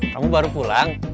kamu baru pulang